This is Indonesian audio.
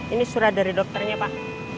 ini surat dari dokternya pak